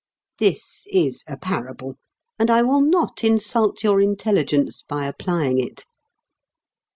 This is a parable. And I will not insult your intelligence by applying it.